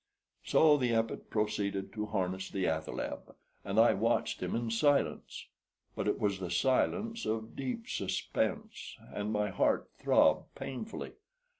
So the Epet proceeded to harness the athaleb, and I watched him in silence; but it was the silence of deep suspense, and my heart throbbed painfully.